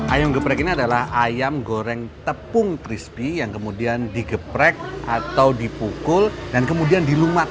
ayam geprek ini adalah ayam goreng tepung crispy yang kemudian digeprek atau dipukul dan kemudian dilumat